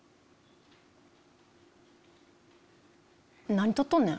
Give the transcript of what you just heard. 何撮っとんねん？